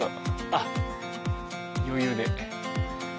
あっ余裕で。